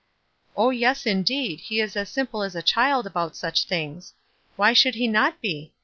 "Oh, yes, indeed, he la as simple as .< child about such things. Why should he not be?